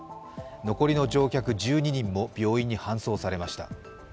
残りの乗客１２人も病院に搬送されました。